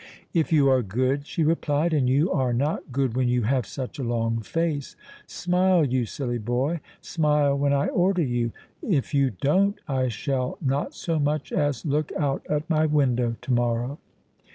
"If you are good," she replied, "and you are not good when you have such a long face. Smile, you silly boy; smile when I order you. If you don't I shall not so much as look out at my window to morrow."